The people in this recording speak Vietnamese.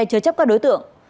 chớ chấp các đối tượng